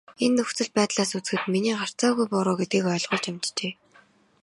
Энэ нөхцөл байдлаас үзэхэд миний гарцаагүй буруу гэдгийг ойлгуулж амжжээ.